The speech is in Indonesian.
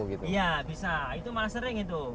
iya bisa itu malah sering itu